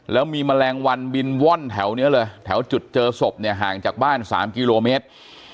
แล้วมีแมลงวันบินว่อนแถวนี้เลยแถวจุดเจอศพเนี่ยห่างจากบ้าน๓กิโลเมตร